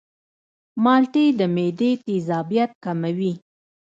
مالټې د معدې تیزابیت کموي.